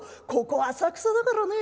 ここ浅草だからね。